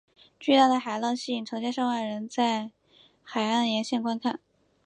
巨大的海浪吸引到成千上万人取在海岸沿线观看。